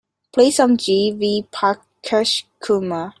Play some G. V. Prakash Kumar